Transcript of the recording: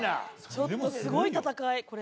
ちょっとすごい戦いこれ。